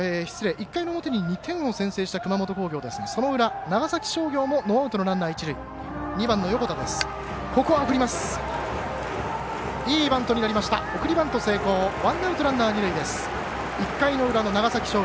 １回の表に２点を先制した熊本工業ですがその裏、長崎商業もノーアウトのランナー、一塁。